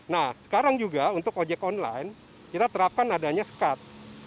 nah sekarang juga untuk ojek online kita terapkan adanya skat